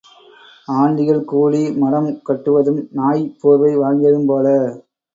ஆண்டிகள் கூடி மடம் கட்டுவதும் நாய் போர்வை வாங்கியதும் போல.